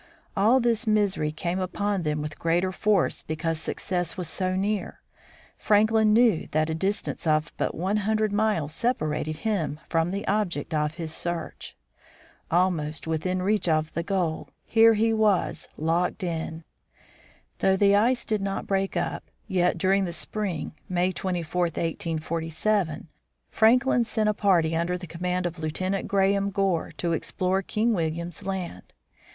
All this misery came upon them with greater force because success was so near. Franklin knew that a dis tance of but one hundred miles separated him from the object of his search. Almost within reach of the goal, here he was, locked in ! Though the ice did not break up, yet during the spring (May 24, 1847) Franklin sent a party under the command of Lieutenant Graham Gore to explore King William's Land.